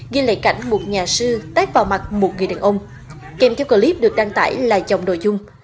ghi lại cảnh một nhà sư tác vào mặt một người đàn ông kèm theo clip được đăng tải là chồng đồ dung